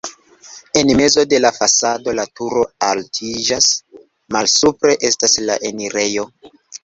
En mezo de la fasado la turo altiĝas, malsupre estas la enirejo.